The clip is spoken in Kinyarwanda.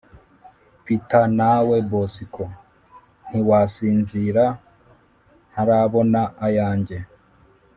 Peter nawe bosco ntiwasinzira ntarabona ayanjye